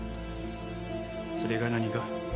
それが何か？